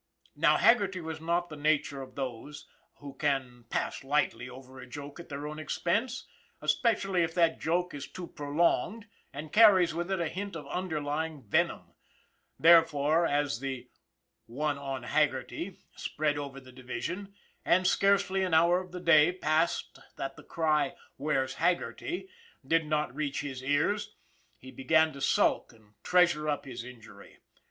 Now Haggerty was not the nature of those who can pass lightly over a joke at their own expense, especially if that joke be too prolonged and carries with it a hint of underlying venom. Therefore, as the " one on Haggerty " spread over the division, and scarcely an hour of the day passed that the cry " Where's Hag gerty ?" did not reach his ears, he began to sulk and treasure up his injury.